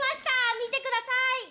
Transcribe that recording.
見てください。